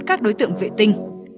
các đối tượng vệ tinh